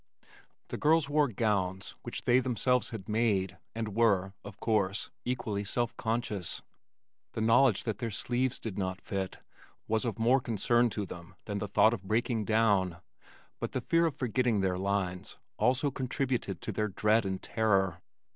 The girls wore gowns which they themselves had made, and were, of course, equally self conscious. The knowledge that their sleeves did not fit was of more concern to them than the thought of breaking down but the fear of forgetting their lines also contributed to their dread and terror.